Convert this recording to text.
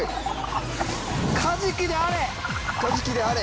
カジキであれ！